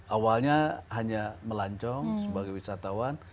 awalnya hanya melancong sebagai wisatawan